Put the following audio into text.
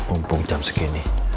umpung jam segini